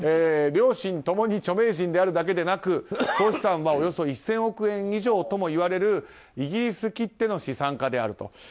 両親共に著名人であるだけでなく総資産はおよそ１０００億円以上ともいわれるイギリスきっての資産家であると。